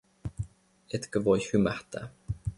Etkö voi hymähtää?